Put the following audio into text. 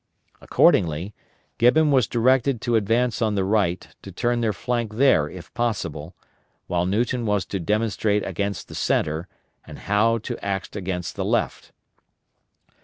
Accordingly, Gibbon was directed to advance on the right to turn their flank there if possible, while Newton was to demonstrate against the centre and Howe to act against the left.